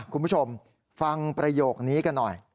คุณผู้ชมฟังประโยคนี้กันหน่อย